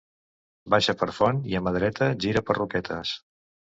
Baixa per Font i a mà dreta gira per Roquetes